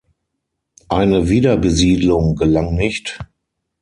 Eine Wiederbesiedlung gelang nicht.